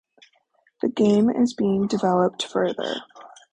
The game is being developed further.